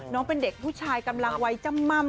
น้องเป็นเด็กผู้ชายอดีกว่าไวจ่ำม่ำ